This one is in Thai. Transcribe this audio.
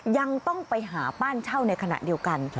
ยังต้องไปหาบ้านเช่าในขณะเดียวกัน